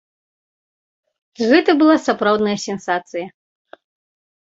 Гэта была сапраўдная сенсацыя.